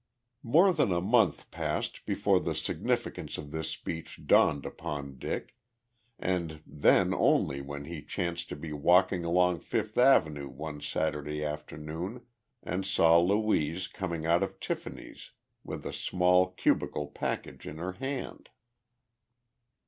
More than a month passed before the significance of this speech dawned upon Dick, and then only when he chanced to be walking along Fifth Avenue one Saturday afternoon and saw Louise coming out of Tiffany's with a small cubical package in her hand.